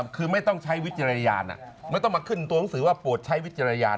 คือไม่ต้องใช้วิจารณญาณไม่ต้องมาขึ้นตัวหนังสือว่าปวดใช้วิจารณญาณ